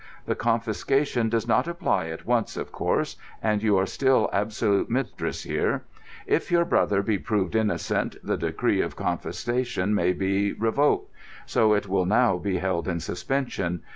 The confiscation does not apply at once, of course, and you are still absolute mistress here. If your brother be proved innocent, the decree of confiscation may be revoked. So it will now be held in suspension.